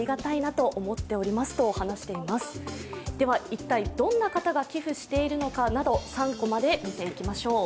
一体どんな方が寄付しているのかなど３コマで見ていきましょう。